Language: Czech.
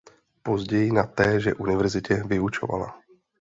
Později na téže univerzitě vyučovala.